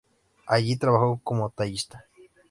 Allí trabajó como tallista.